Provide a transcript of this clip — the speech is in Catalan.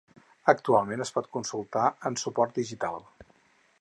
Actualment es poden consultar en suport digital.